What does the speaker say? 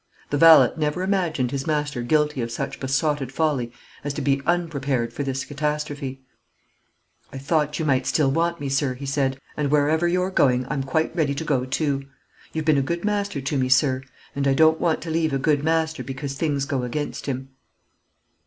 The valet never imagined his master guilty of such besotted folly as to be _un_prepared for this catastrophe. "I thought you might still want me, sir," he said; "and wherever you're going, I'm quite ready to go too. You've been a good master to me, sir; and I don't want to leave a good master because things go against him."